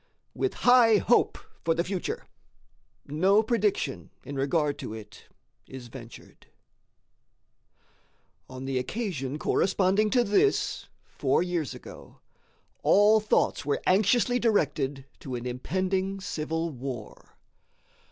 With high hope for the future, no prediction in regard to it is ventured. On the occasion corresponding to this four years ago, all thoughts were anxiously directed to an impending civil war.